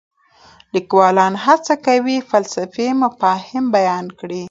لیکوالان هڅه کوي فلسفي مفاهیم بیان کړي.